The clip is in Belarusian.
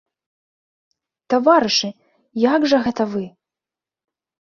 Таварышы, як жа гэта вы?